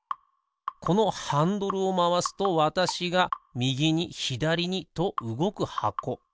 このハンドルをまわすとわたしがみぎにひだりにとうごく箱。